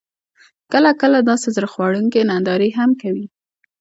کله، کله داسې زړه خوړونکې نندارې هم کوي: